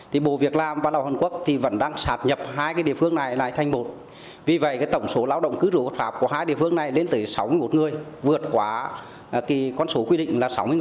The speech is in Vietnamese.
thì bộ việc làm và lao động hàn quốc vẫn đang chứng minh